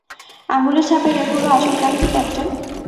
আঙুলের ছাপের এ হলো আসল কাহিনী, ক্যাপ্টেন।